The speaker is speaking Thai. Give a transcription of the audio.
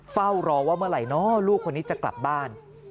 เฝ้ารอว่าเมื่อไหร่เนอะลูกคนนี้จะกลับบ้าน